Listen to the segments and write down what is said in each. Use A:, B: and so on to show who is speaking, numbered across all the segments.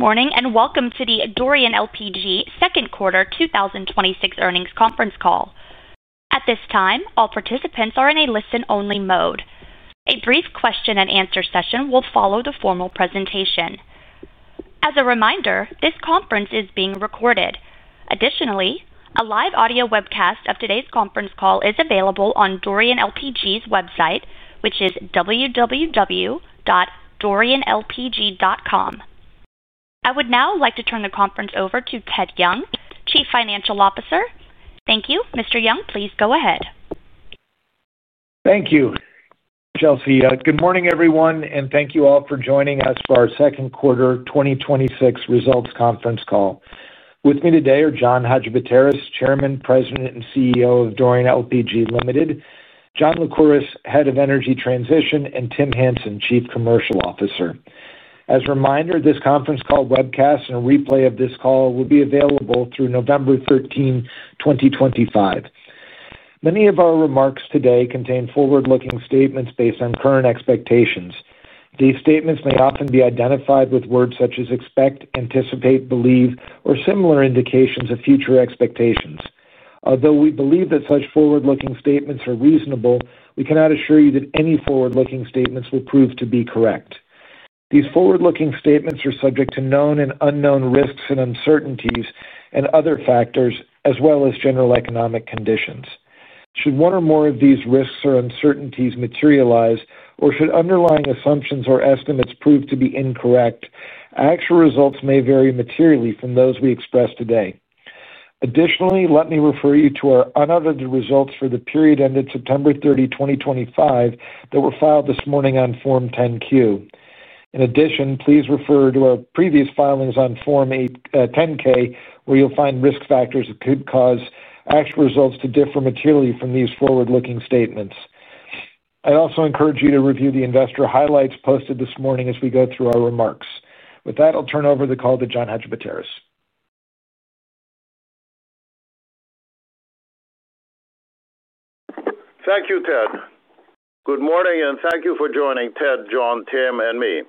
A: Good morning and welcome to the Dorian LPG second quarter 2026 earnings conference call. At this time, all participants are in a listen-only mode. A brief question-and-answer session will follow the formal presentation. As a reminder, this conference is being recorded. Additionally, a live audio webcast of today's conference call is available on Dorian LPG's website, which is www.dorianlpg.com. I would now like to turn the conference over to Ted Young, Chief Financial Officer. Thank you. Mr. Young, please go ahead.
B: Thank you. Chelsea, good morning, everyone, and thank you all for joining us for our Second Quarter 2026 results conference call. With me today are John Hadjipateras, Chairman, President, and CEO of Dorian LPG Limited; John Lycouris, Head of Energy Transition; and Tim Hansen, Chief Commercial Officer. As a reminder, this conference call webcast and a replay of this call will be available through November 13, 2025. Many of our remarks today contain forward-looking statements based on current expectations. These statements may often be identified with words such as expect, anticipate, believe, or similar indications of future expectations. Although we believe that such forward-looking statements are reasonable, we cannot assure you that any forward-looking statements will prove to be correct. These forward-looking statements are subject to known and unknown risks and uncertainties and other factors, as well as general economic conditions. Should one or more of these risks or uncertainties materialize, or should underlying assumptions or estimates prove to be incorrect, actual results may vary materially from those we express today. Additionally, let me refer you to our unaudited results for the period ended September 30, 2025, that were filed this morning on Form 10-Q. In addition, please refer to our previous filings on Form 10-K, where you'll find risk factors that could cause actual results to differ materially from these forward-looking statements. I also encourage you to review the investor highlights posted this morning as we go through our remarks. With that, I'll turn over the call to John Hadjipateras.
C: Thank you, Ted. Good morning, and thank you for joining Ted, John, Tim, and me.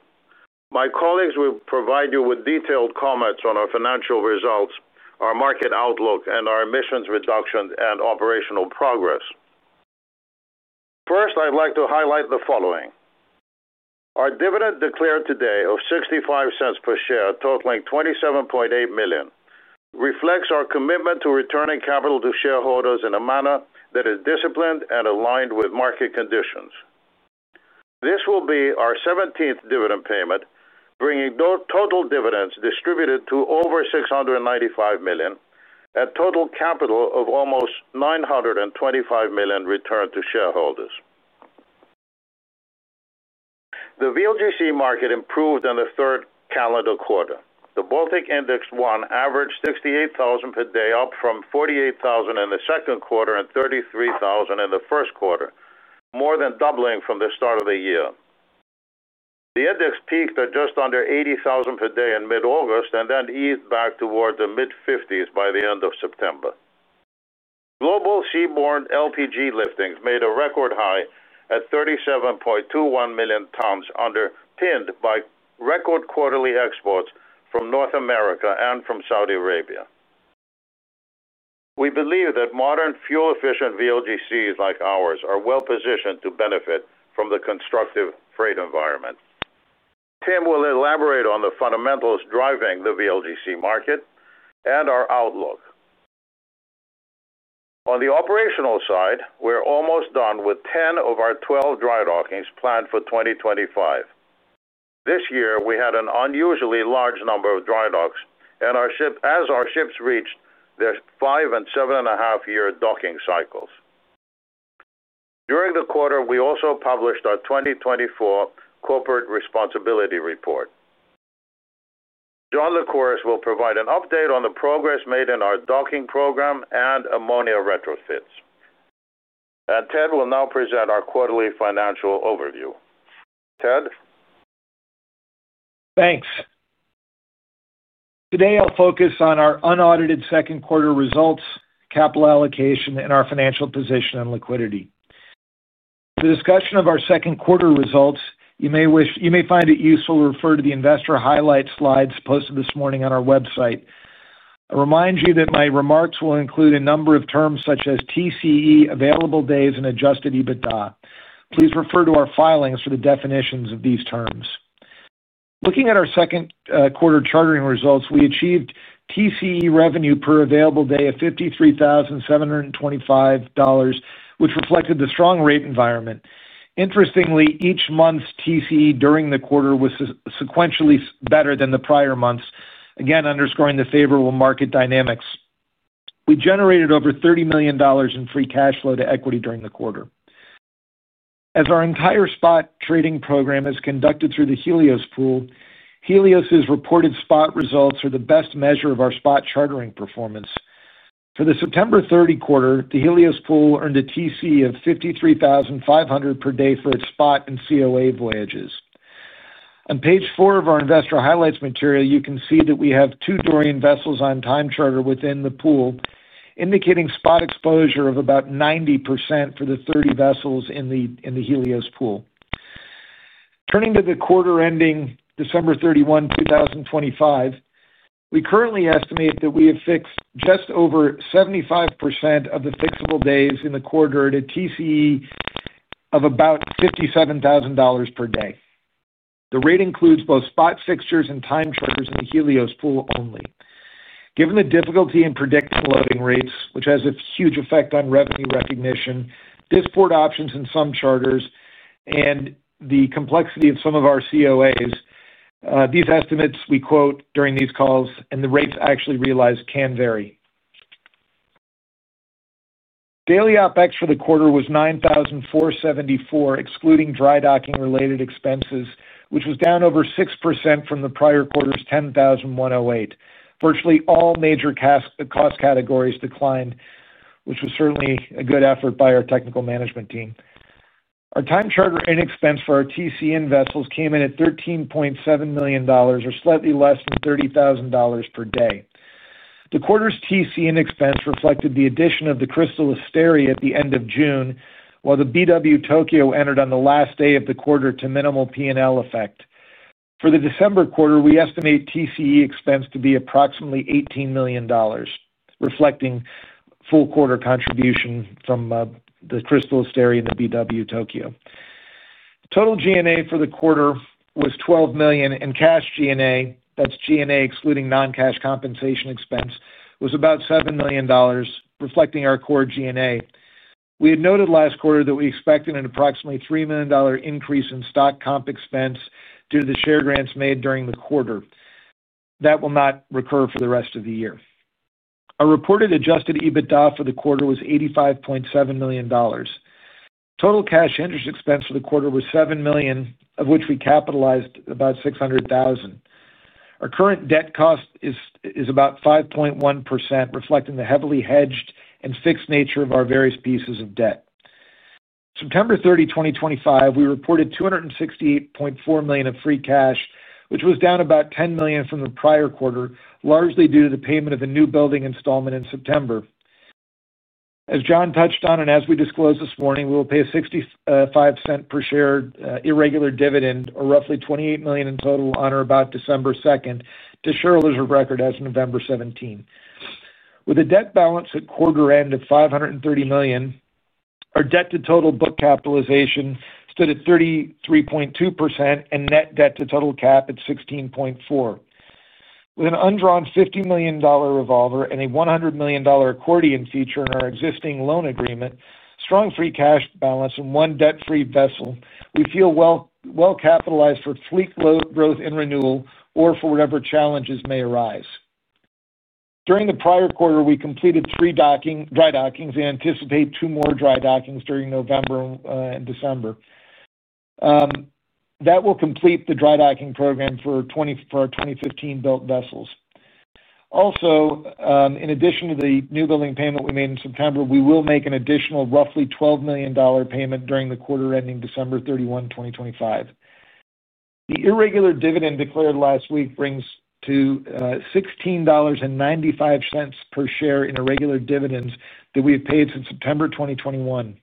C: My colleagues will provide you with detailed comments on our financial results, our market outlook, and our emissions reduction and operational progress. First, I'd like to highlight the following. Our dividend declared today of $0.65 per share, totaling $27.8 million, reflects our commitment to returning capital to shareholders in a manner that is disciplined and aligned with market conditions. This will be our 17th dividend payment, bringing total dividends distributed to over $695 million and a total capital of almost $925 million returned to shareholders. The VLGC market improved in the third calendar quarter. The Baltic Index averaged $68,000 per day, up from $48,000 in the second quarter and $33,000 in the first quarter, more than doubling from the start of the year. The index peaked at just under $80,000 per day in mid-August and then eased back toward the mid-50s by the end of September. Global seaborne LPG liftings made a record high at 37.21 million tons, underpinned by record quarterly exports from North America and from Saudi Arabia. We believe that modern fuel-efficient VLGCs like ours are well-positioned to benefit from the constructive freight environment. Tim will elaborate on the fundamentals driving the VLGC market and our outlook. On the operational side, we're almost done with 10 of our 12 dry dockings planned for 2025. This year, we had an unusually large number of dry docks, as our ships reached their five and seven-and-a-half-year docking cycles. During the quarter, we also published our 2024 corporate responsibility report. John Lycouris will provide an update on the progress made in our docking program and ammonia retrofits. Ted will now present our quarterly financial overview. Ted?
B: Thanks. Today, I'll focus on our unaudited second quarter results, capital allocation, and our financial position and liquidity. For discussion of our second quarter results, you may find it useful to refer to the investor highlights slides posted this morning on our website. I remind you that my remarks will include a number of terms such as TCE, available days, and adjusted EBITDA. Please refer to our filings for the definitions of these terms. Looking at our second quarter chartering results, we achieved TCE revenue per available day of $53,725, which reflected the strong rate environment. Interestingly, each month's TCE during the quarter was sequentially better than the prior months, again underscoring the favorable market dynamics. We generated over $30 million in free cash flow to equity during the quarter. As our entire spot trading program is conducted through the Helios Pool, Helios's reported spot results are the best measure of our spot chartering performance. For the September 30 quarter, the Helios Pool earned a TCE of $53,500 per day for its spot and COA voyages. On page four of our investor highlights material, you can see that we have two Dorian vessels on time charter within the pool, indicating spot exposure of about 90% for the 30 vessels in the Helios Pool. Turning to the quarter ending December 31, 2025, we currently estimate that we have fixed just over 75% of the fixable days in the quarter at a TCE of about $57,000 per day. The rate includes both spot fixtures and time charters in the Helios Pool only. Given the difficulty in predicting loading rates, which has a huge effect on revenue recognition, this port options in some charters, and the complexity of some of our COAs, these estimates we quote during these calls and the rates actually realized can vary. Daily OpEx for the quarter was $9,474, excluding dry docking-related expenses, which was down over 6% from the prior quarter's $10,108. Virtually all major cost categories declined, which was certainly a good effort by our technical management team. Our time charter inexpense for our TCE vessels came in at $13.7 million, or slightly less than $30,000 per day. The quarter's TCE inexpense reflected the addition of the Crystal Asteria at the end of June, while the BW Tokyo entered on the last day of the quarter to minimal P&L effect. For the December quarter, we estimate TCE expense to be approximately $18 million, reflecting full quarter contribution from the Crystal Asteria and the BW Tokyo. Total G&A for the quarter was $12 million, and cash G&A, that's G&A excluding non-cash compensation expense, was about $7 million, reflecting our core G&A. We had noted last quarter that we expected an approximately $3 million increase in stock comp expense due to the share grants made during the quarter. That will not recur for the rest of the year. Our reported adjusted EBITDA for the quarter was $85.7 million. Total cash interest expense for the quarter was $7 million, of which we capitalized about $600,000. Our current debt cost is about 5.1%, reflecting the heavily hedged and fixed nature of our various pieces of debt. September 30, 2025, we reported $268.4 million of free cash, which was down about $10 million from the prior quarter, largely due to the payment of a new building installment in September. As John touched on, and as we disclosed this morning, we will pay a $0.65 per share irregular dividend, or roughly $28 million in total, on or about December 2nd, to shareholders of record as of November 17. With a debt balance at quarter-end of $530 million, our debt-to-total book capitalization stood at 33.2% and net debt-to-total cap at 16.4%. With an undrawn $50 million revolver and a $100 million accordion feature in our existing loan agreement, strong free cash balance, and one debt-free vessel, we feel well capitalized for fleet load growth and renewal or for whatever challenges may arise. During the prior quarter, we completed three dry dockings and anticipate two more dry dockings during November and December. That will complete the dry docking program for our 2015-built vessels. Also, in addition to the new building payment we made in September, we will make an additional roughly $12 million payment during the quarter ending December 31, 2025. The irregular dividend declared last week brings to $16.95 per share in irregular dividends that we have paid since September 2021.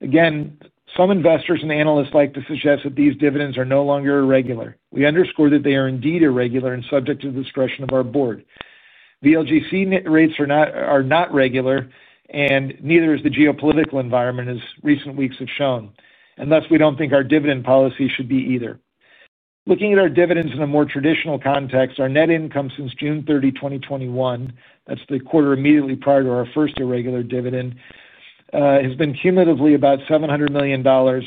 B: Again, some investors and analysts like to suggest that these dividends are no longer irregular. We underscore that they are indeed irregular and subject to the discretion of our board. VLGC rates are not regular. Neither is the geopolitical environment, as recent weeks have shown. Thus, we do not think our dividend policy should be either. Looking at our dividends in a more traditional context, our net income since June 30, 2021, that's the quarter immediately prior to our first irregular dividend, has been cumulatively about $700 million,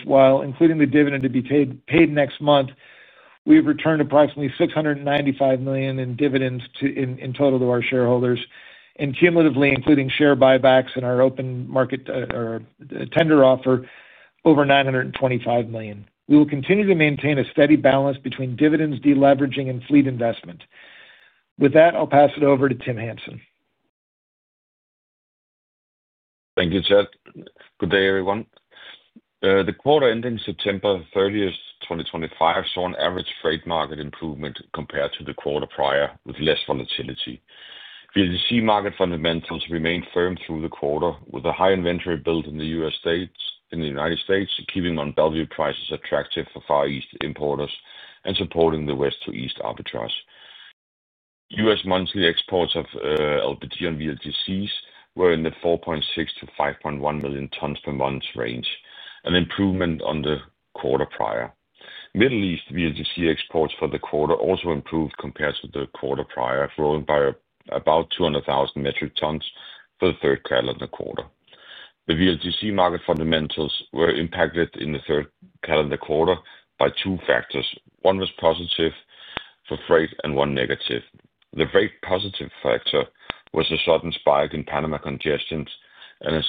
B: while including the dividend to be paid next month, we have returned approximately $695 million in dividends in total to our shareholders, and cumulatively, including share buybacks and our open market or tender offer, over $925 million. We will continue to maintain a steady balance between dividends, deleveraging, and fleet investment. With that, I'll pass it over to Tim Hansen.
D: Thank you, Ted. Good day, everyone. The quarter ending September 30th, 2025, saw an average freight market improvement compared to the quarter prior, with less volatility. VLGC market fundamentals remained firm through the quarter, with a high inventory build in the United States, keeping on value prices attractive for Far East importers and supporting the West to East arbitrage. U.S. monthly exports of LPG and VLGCs were in the 4.6 million tons-5.1 million tons per month range, an improvement on the quarter prior. Middle East VLGC exports for the quarter also improved compared to the quarter prior, growing by about 200,000 metric tons for the third calendar quarter. The VLGC market fundamentals were impacted in the third calendar quarter by two factors. One was positive for freight and one negative. The freight positive factor was a sudden spike in Panama congestion and a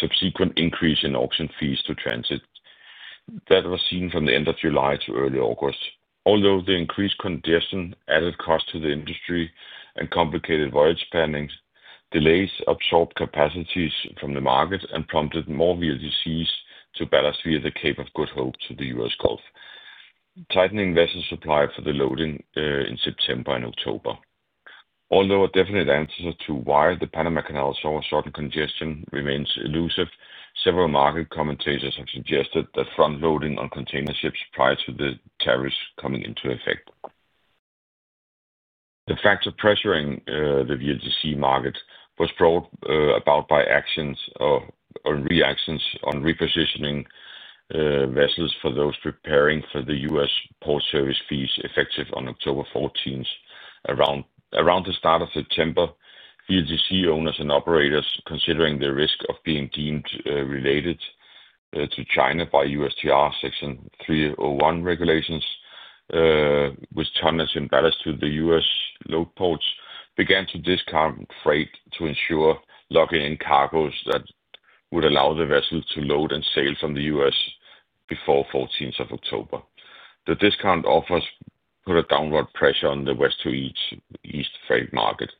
D: subsequent increase in auction fees to transit. That was seen from the end of July to early August. Although the increased congestion added cost to the industry and complicated voyage planning, delays absorbed capacities from the market and prompted more VLGCs to ballast via the Cape of Good Hope to the U.S. Gulf, tightening vessel supply for the loading in September and October. Although a definite answer to why the Panama Canal saw a sudden congestion remains elusive, several market commentators have suggested that front-loading on container ships prior to the tariffs coming into effect. The factor pressuring the VLGC market was brought about by actions on repositioning vessels for those preparing for the U.S. port service fees effective on October 14th. Around the start of September, VLGC owners and operators, considering the risk of being deemed related to China by USTR Section 301 regulations. With tonnage embedded to the U.S. load ports, began to discount freight to ensure locking in cargos that would allow the vessels to load and sail from the U.S. before the 14th of October. The discount offers put a downward pressure on the West to East freight market.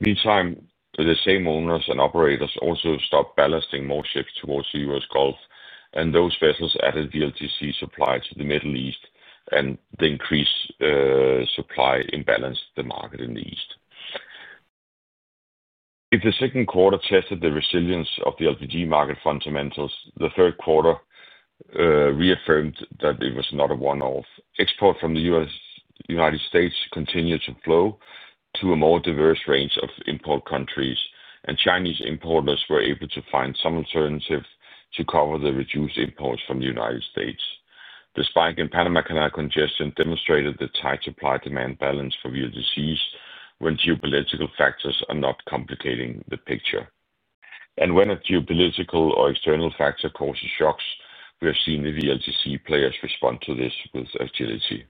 D: Meantime, the same owners and operators also stopped ballasting more ships towards the U.S. Gulf, and those vessels added VLGC supply to the Middle East, and the increased supply imbalanced the market in the East. If the second quarter tested the resilience of the LPG market fundamentals, the third quarter reaffirmed that it was not a one-off. Export from the United States continued to flow to a more diverse range of import countries, and Chinese importers were able to find some alternatives to cover the reduced imports from the United States. The spike in Panama Canal congestion demonstrated the tight supply-demand balance for VLGCs when geopolitical factors are not complicating the picture. When a geopolitical or external factor causes shocks, we have seen the VLGC players respond to this with agility.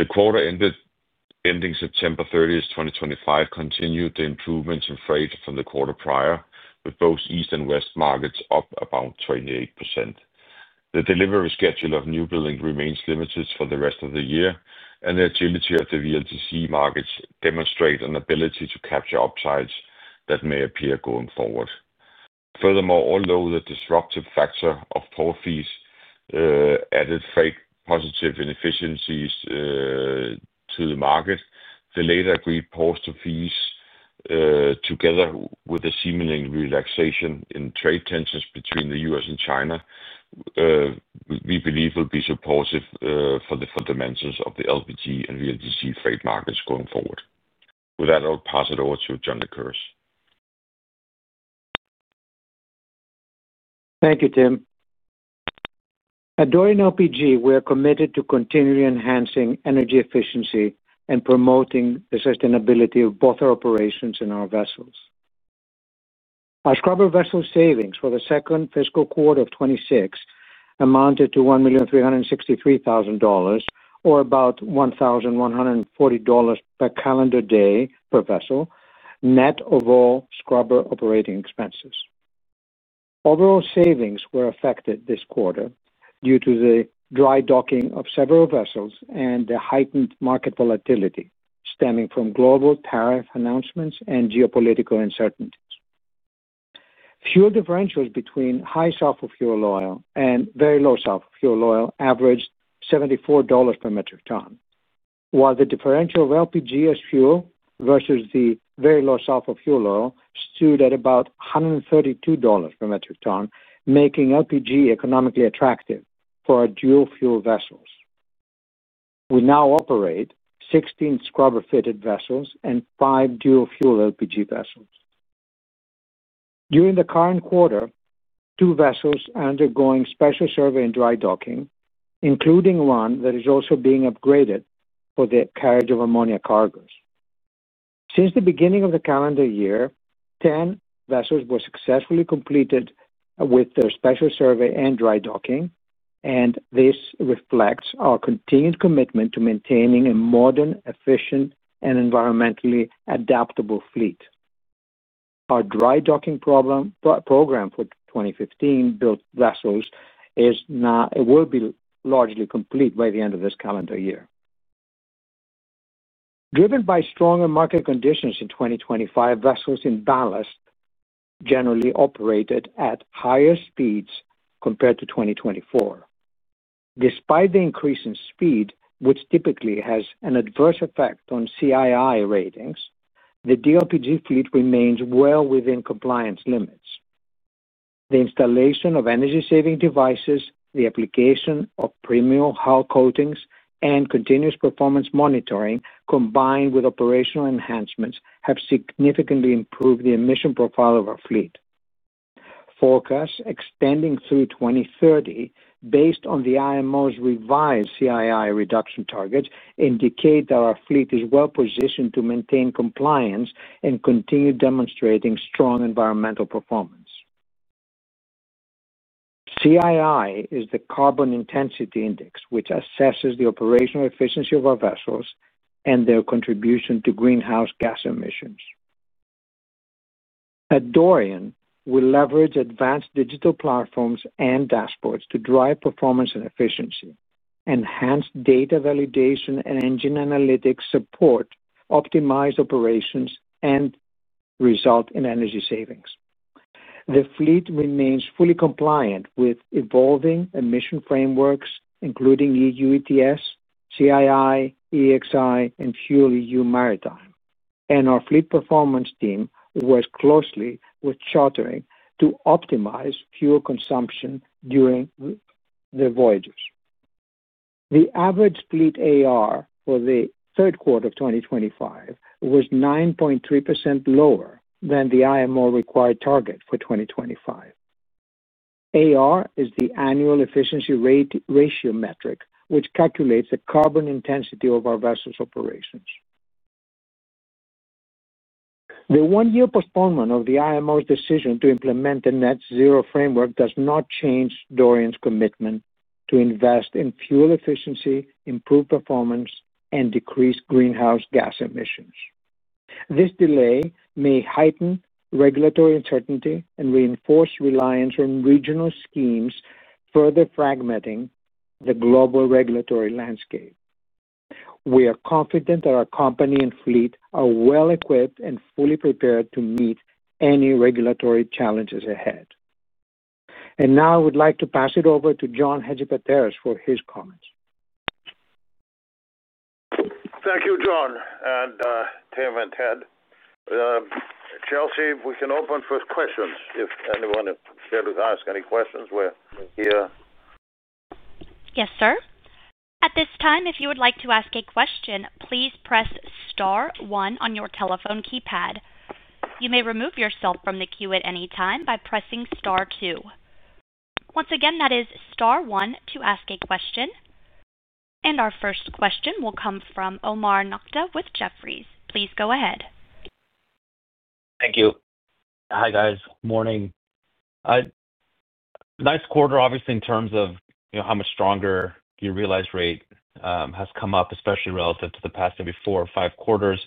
D: The quarter ending September 30th, 2025, continued the improvements in freight from the quarter prior, with both East and West markets up about 28%. The delivery schedule of new buildings remains limited for the rest of the year, and the agility of the VLGC markets demonstrates an ability to capture upsides that may appear going forward. Furthermore, although the disruptive factor of port fees added freight positive inefficiencies to the market, the later agreed ports to fees, together with the seeming relaxation in trade tensions between the U.S. and China, we believe will be supportive for the fundamentals of the LPG and VLGC freight markets going forward. With that, I'll pass it over to John Lycouris.
E: Thank you, Tim. At Dorian LPG, we are committed to continuing enhancing energy efficiency and promoting the sustainability of both our operations and our vessels. Our scrubber vessel savings for the second fiscal quarter of 2026 amounted to $1,363,000, or about $1,140 per calendar day per vessel, net of all scrubber operating expenses. Overall savings were affected this quarter due to the dry docking of several vessels and the heightened market volatility stemming from global tariff announcements and geopolitical uncertainties. Fuel differentials between high sulfur fuel oil and very low sulfur fuel oil averaged $74 per metric ton, while the differential of LPG as fuel versus the very low sulfur fuel oil stood at about $132 per metric ton, making LPG economically attractive for our dual fuel vessels. We now operate 16 scrubber-fitted vessels and five dual fuel LPG vessels. During the current quarter, two vessels are undergoing special service and dry docking, including one that is also being upgraded for the carriage of ammonia cargoes. Since the beginning of the calendar year, 10 vessels were successfully completed with their special service and dry docking, and this reflects our continued commitment to maintaining a modern, efficient, and environmentally adaptable fleet. Our dry docking program for 2015 built vessels will be largely complete by the end of this calendar year. Driven by stronger market conditions in 2025, vessels in ballast generally operated at higher speeds compared to 2024. Despite the increase in speed, which typically has an adverse effect on CII ratings, the DLPG fleet remains well within compliance limits. The installation of energy-saving devices, the application of premium hull coatings, and continuous performance monitoring combined with operational enhancements have significantly improved the emission profile of our fleet. Forecasts extending through 2030, based on the IMO's revised CII reduction targets, indicate that our fleet is well positioned to maintain compliance and continue demonstrating strong environmental performance. CII is the Carbon Intensity Index, which assesses the operational efficiency of our vessels and their contribution to greenhouse gas emissions. At Dorian, we leverage advanced digital platforms and dashboards to drive performance and efficiency, enhance data validation and engine analytics support, optimize operations, and result in energy savings. The fleet remains fully compliant with evolving emission frameworks, including EU ETS, CII, EEXI, and Fuel EU Maritime, and our fleet performance team works closely with chartering to optimize fuel consumption during the voyages. The average fleet AER for the third quarter of 2025 was 9.3% lower than the IMO-required target for 2025. AER is the Annual Efficiency Ratio metric, which calculates the carbon intensity of our vessels' operations. The one-year postponement of the IMO's decision to implement the net-zero framework does not change Dorian's commitment to invest in fuel efficiency, improved performance, and decreased greenhouse gas emissions. This delay may heighten regulatory uncertainty and reinforce reliance on regional schemes, further fragmenting the global regulatory landscape. We are confident that our company and fleet are well equipped and fully prepared to meet any regulatory challenges ahead. I would like to pass it over to John Hadjipateras for his comments.
C: Thank you, John, and Tim, and Ted. Chelsea, we can open for questions if anyone is here to ask any questions. We're here.
A: Yes, sir. At this time, if you would like to ask a question, please press star one on your telephone keypad. You may remove yourself from the queue at any time by pressing star two. Once again, that is star one to ask a question. Our first question will come from Omar Nokta with Jefferies. Please go ahead.
F: Thank you. Hi, guys. Morning. Nice quarter, obviously, in terms of how much stronger your realized rate has come up, especially relative to the past maybe four or five quarters.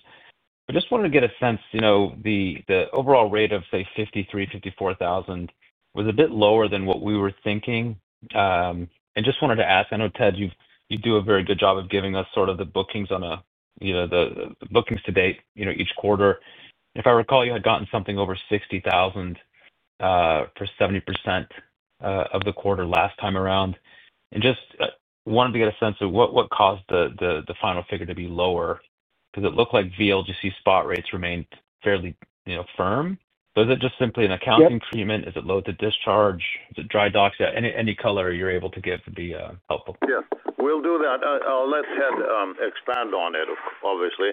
F: I just wanted to get a sense. The overall rate of, say, $53,000-$54,000 was a bit lower than what we were thinking. I just wanted to ask, I know, Ted, you do a very good job of giving us sort of the bookings on the bookings to date each quarter. If I recall, you had gotten something over $60,000 for 70% of the quarter last time around. I just wanted to get a sense of what caused the final figure to be lower. Because it looked like VLGC spot rates remained fairly firm. Was it just simply an accounting treatment? Is it load to discharge? Is it dry dock? Any color you're able to give would be helpful.
C: Yes. We'll do that. I'll let Ted expand on it, obviously.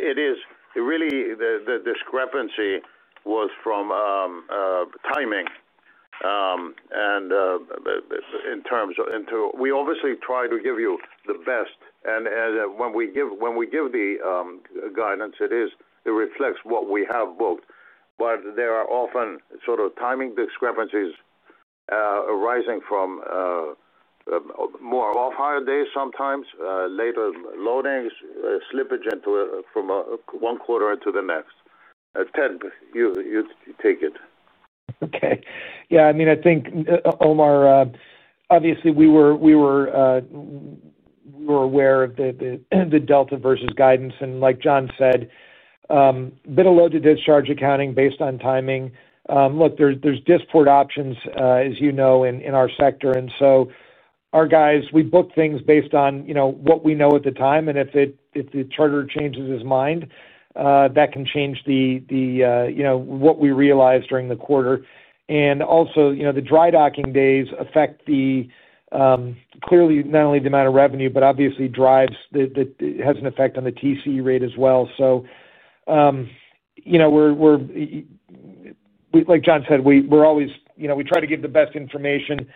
C: It is really the discrepancy was from timing. In terms, we obviously try to give you the best, and when we give the guidance, it reflects what we have booked. There are often sort of timing discrepancies arising from more off-hire days sometimes, later loadings, slippage from one quarter into the next. Ted, you take it.
B: Okay. Yeah. I mean, I think, Omar, obviously, we were aware of the delta versus guidance. And like John said, bit of load-to-discharge accounting based on timing. Look, there's discord options, as you know, in our sector. And so our guys, we book things based on what we know at the time. If the charterer changes his mind, that can change what we realized during the quarter. Also, the dry docking days affect the, clearly, not only the amount of revenue, but obviously drives that has an effect on the TC rate as well. Like John said, we always try to give the best information.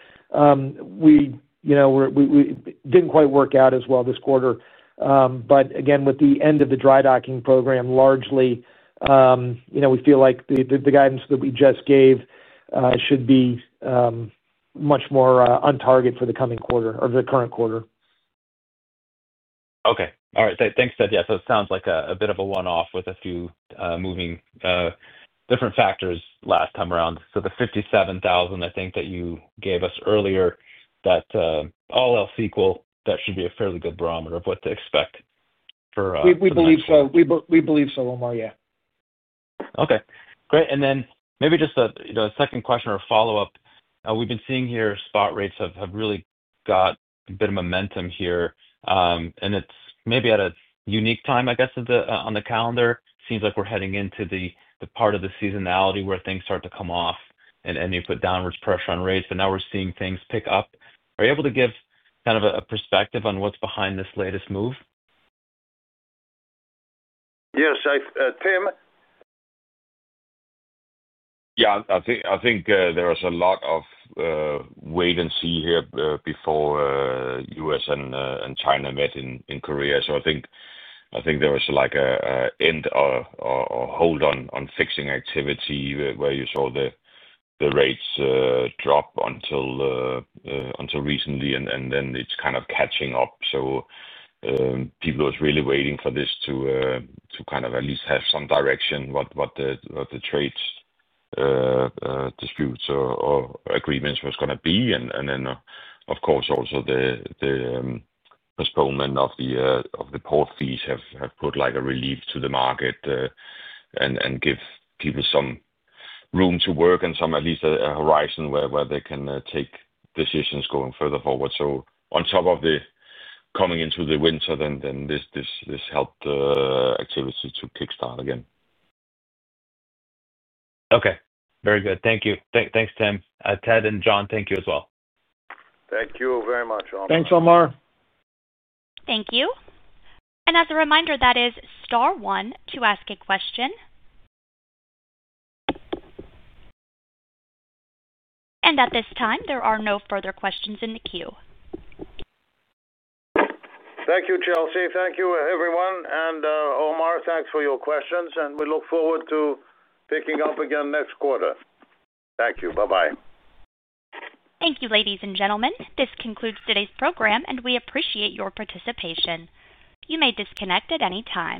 B: We didn't quite work out as well this quarter. Again, with the end of the dry docking program, largely, we feel like the guidance that we just gave should be. Much more on target for the coming quarter or the current quarter.
F: Okay. All right. Thanks, Ted. Yeah. It sounds like a bit of a one-off with a few moving different factors last time around. The $57,000, I think, that you gave us earlier, that, all else equal, that should be a fairly good barometer of what to expect for.
B: We believe so. We believe so, Omar. Yeah.
F: Okay. Great. Maybe just a second question or follow-up. We've been seeing here spot rates have really got a bit of momentum here. It's maybe at a unique time, I guess, on the calendar. Seems like we're heading into the part of the seasonality where things start to come off and you put downwards pressure on rates. Now we're seeing things pick up. Are you able to give kind of a perspective on what's behind this latest move?
C: Yes. Tim?
D: Yeah. I think there was a lot of wait and see here before U.S. and China met in Korea. I think there was like an end or hold on fixing activity where you saw the rates drop until recently, and then it is kind of catching up. People were really waiting for this to kind of at least have some direction, what the trade disputes or agreements was going to be. Of course, also the postponement of the port fees have put a relief to the market and give people some room to work and some at least a horizon where they can take decisions going further forward. On top of the coming into the winter, then this helped activities to kickstart again.
F: Okay. Very good. Thank you. Thanks, Tim. Ted and John, thank you as well.
C: Thank you very much, Omar.
B: Thanks, Omar.
A: Thank you. As a reminder, that is star one to ask a question. At this time, there are no further questions in the queue.
C: Thank you, Chelsea. Thank you, everyone. Omar, thanks for your questions. We look forward to picking up again next quarter. Thank you. Bye-bye.
A: Thank you, ladies and gentlemen. This concludes today's program, and we appreciate your participation. You may disconnect at any time.